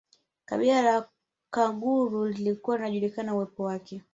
Kabila la Wakaguru lilikuwa linajulikana uwepo wake